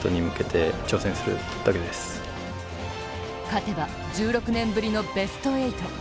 勝てば１６年ぶりのベスト８。